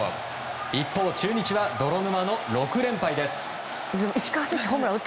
一方、中日は泥沼の６連敗です。